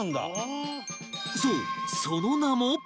そうその名も